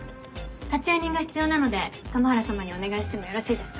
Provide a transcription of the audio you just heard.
立会人が必要なので加茂原さまにお願いしてもよろしいですか？